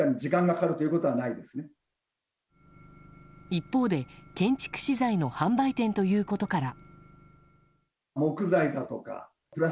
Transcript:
一方で建築資材の販売店ということから。